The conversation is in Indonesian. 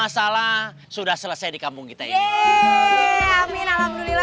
siapa yang ngapain di warung padang dulu